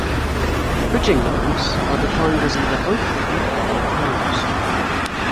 Bridging loans are defined as either 'opened' or 'closed'.